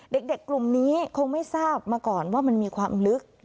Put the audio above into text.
เด็กกลุ่มนี้คงไม่ทราบมาก่อนว่ามันมีความลึก